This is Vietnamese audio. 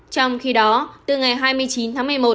trong khi đó từ ngày hai mươi chín tháng một mươi một